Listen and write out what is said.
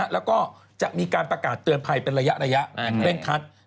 แล้วก็จะมีการประกาศเตือนภัยเป็นระยะอย่างเคร่งคัด